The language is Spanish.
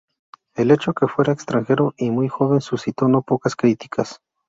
El hecho que fuera extranjero y muy joven suscitó no pocas críticas.